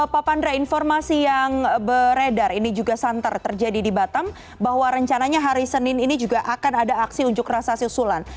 papandre informasi yang beredar ini juga santar terjadi di batam bahwa rencananya hari senin ini juga akan ada aksi unjuk rasasi usulan